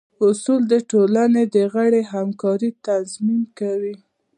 اصول د ټولنې د غړو همکارۍ تضمین کوي.